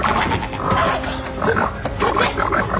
こっち！